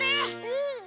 うん！